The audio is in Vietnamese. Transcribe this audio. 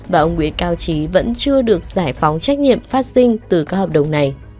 và ông nguyễn cao trí vẫn chưa được giải phóng trách nhiệm phát sinh từ các hợp đồng này